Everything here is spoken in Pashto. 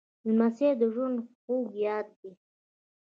لمسی د ژوند خوږ یاد دی.